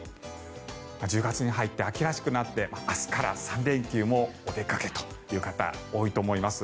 １０月に入って秋らしくなって明日から３連休お出かけという方も多いと思います。